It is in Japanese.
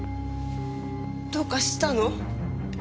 どうかしたの？